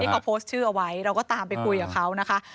เขาโพสต์ชื่อเอาไว้เราก็ตามไปคุยกับเขานะคะ